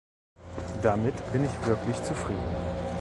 Damit bin ich wirklich zufrieden.